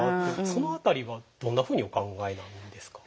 その辺りはどんなふうにお考えなんですか？